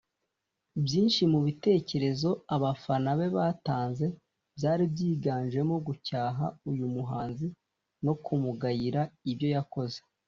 Byinshi mu bitekerezo abafana be batanze byari byiganjemo gucyaha uyu muhanzi no kumugayira ibyo yakoze